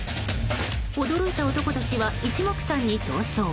驚いた男たちは、一目散に逃走。